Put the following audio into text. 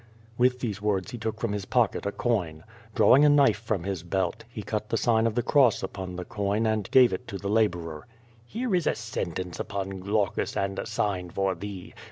With these words he took from his pocket a coin. Draw ing a knife from his belt, he cut the sign of the cross upon the coin, and gave it to the laborer. "Here is a sentence upon Glaucus and a sign for thee.